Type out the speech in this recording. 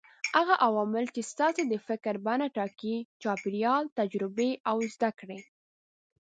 هغه عوامل چې ستاسې د فکر بڼه ټاکي: چاپېريال، تجربې او زده کړې.